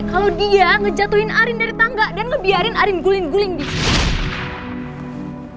kalau dia ngejatuhin arin dari tangga dan ngebiarin arin guling guling di sini